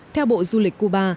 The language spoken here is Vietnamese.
theo bộ du lịch cuba